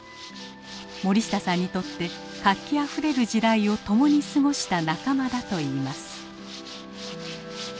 森下さんにとって活気あふれる時代を共に過ごした仲間だといいます。